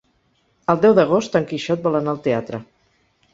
El deu d'agost en Quixot vol anar al teatre.